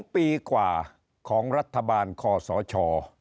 ๒ปีกว่าของรัฐบาลคอสช